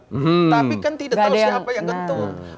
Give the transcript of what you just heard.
tapi kan tidak tahu siapa yang gentul